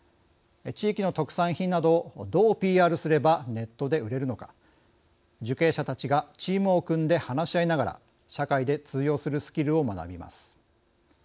地域の特産品などをどうＰＲすればネットで売れるのか受刑者たちがチームを組んで話し合いながら社会で通用するスキルを学びます。